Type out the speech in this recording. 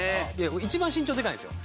一番身長でかいんすよ。